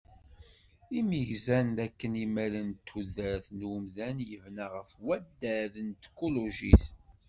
Imi gzan dakken imal n tudert n umdan yebna ɣef waddad n tkulugit.